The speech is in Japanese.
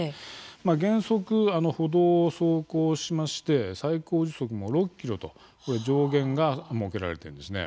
原則、歩道を走行しまして最高時速も６キロと上限が設けられているんです。